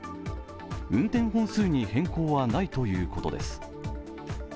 運転本数に変更はないということです。